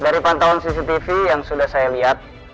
dari pantauan cctv yang sudah saya lihat